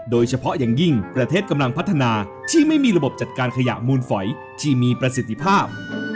โดยเฉพาะอย่างยิ่งประเทศกำลังพัฒนาที่ไม่มีระบบจัดการขยะมูลฝอยที่มีประสิทธิภาพ